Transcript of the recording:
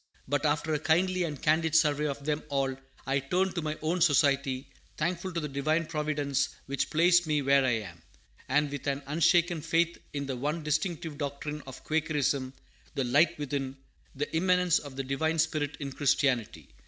But after a kindly and candid survey of them all, I turn to my own Society, thankful to the Divine Providence which placed me where I am; and with an unshaken faith in the one distinctive doctrine of Quakerism the Light within the immanence of the Divine Spirit in Christianity.